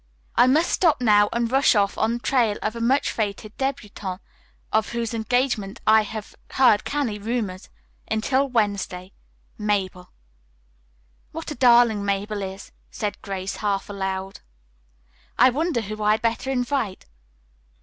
"I must stop now and rush off on the trail of a much feted debutante of whose engagement I have heard canny rumors. Until Wednesday. "MABEL." "What a darling Mabel is," said Grace half aloud. "I wonder who I had better invite."